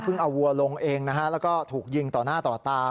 เอาวัวลงเองนะฮะแล้วก็ถูกยิงต่อหน้าต่อตา